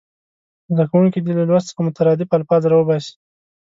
زده کوونکي دې له لوست څخه مترادف الفاظ راوباسي.